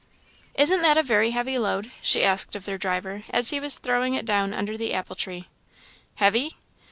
"Isn't that a very heavy load?" she asked of their driver, as he was throwing it down under the apple tree. "Heavy?